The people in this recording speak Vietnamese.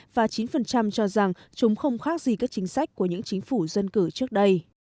và chín cho rằng chúng không khác gì các chính sách của những chính phủ dân cử trước đây